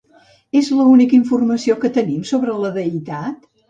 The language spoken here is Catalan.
És l'única informació que tenim sobre la deïtat?